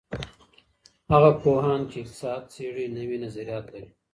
هغه پوهان چی اقتصاد څېړي نوي نظريات لري.